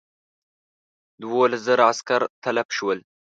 دوولس زره عسکر تلف شول.